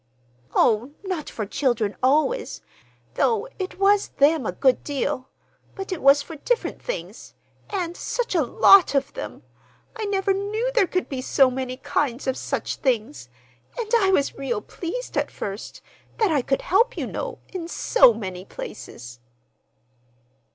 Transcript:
"Oh, not for children always—though it was them a good deal. But it was for different things—and such a lot of them! I never knew there could be so many kinds of such things. And I was real pleased, at first,—that I could help, you know, in so many places."